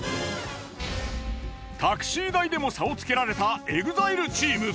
タクシー代でも差をつけられたＥＸＩＬＥチーム。